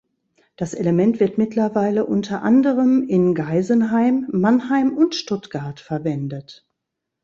Das Element wird mittlerweile unter anderem in Geisenheim, Mannheim und Stuttgart verwendet.